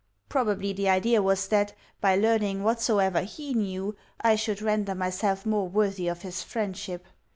Probably the idea was that, by learning whatsoever HE knew, I should render myself more worthy of his friendship.